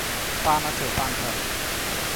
পান আছে, পান খান।